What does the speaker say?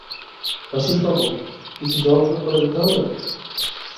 রসিকবাবু, কিছু জলযোগ করে যেতে হবে।